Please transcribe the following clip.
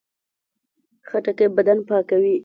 خټکی بدن پاکوي.